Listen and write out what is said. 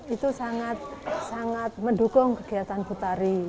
itu sangat sangat mendukung kegiatan bu tari